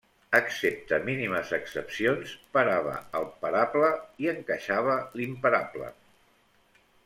Excepte mínimes excepcions, parava el parable i encaixava l'imparable.